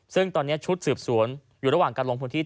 ซึ่งตอนนี้ชุดสืบสวนอยู่ระหว่างการลงพื้นที่